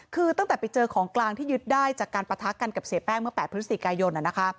คือตั้งแต่ไปเจอของกลางที่ยึดได้จากการปะทะกันกับเสียแป้งเมื่อ๘พฤศจิกายนนะคะ